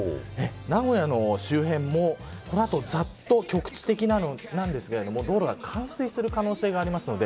名古屋周辺もこの後ざっと、局地的なんですが雨が降って道路が冠水する可能性もあります。